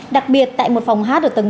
đặc biệt tại một phòng hát ở tầng chín